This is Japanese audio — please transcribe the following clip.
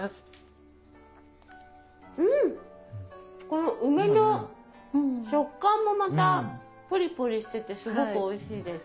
この梅の食感もまたぽりぽりしててすごくおいしいです。